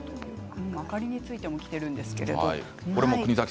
明かりについてもきているんですけれど。